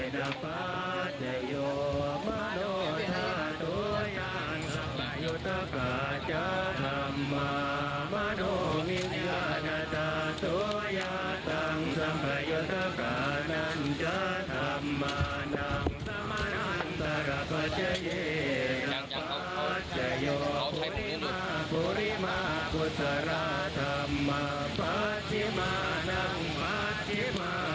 น้ำปาเจ้ามะโน้นท่าตัวอย่างสัมปัตยุทธภาจักรธรรมมะโน้นอินทริยาณท่าตัวอย่างสัมปัตยุทธภาณจักรธรรมมะน้ำสัมปัตยุทธภาณจักรธรรมมะน้ำสัมปัตยุทธภาณจักรธรรมมะน้ำสัมปัตยุทธภาณจักรธรรมมะน้ำสัมปัตยุทธภา